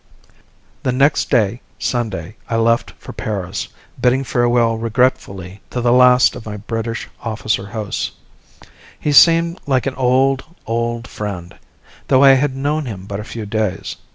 The next day, Sunday, I left for Paris, bidding farewell regretfully to the last of my British officer hosts. He seemed like an old, old friend though I had known him but a few days.